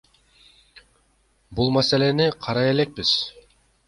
Бул маселени карай элекпиз.